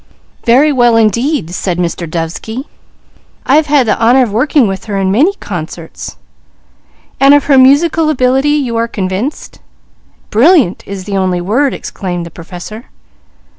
"Very well indeed!" said Mr. Dovesky. "I have had the honour of working with her in many concerts." "And of her musical ability you are convinced?" "Brilliant is the only word," exclaimed the Professor.